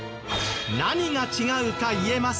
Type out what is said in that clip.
何が違うか言えますか？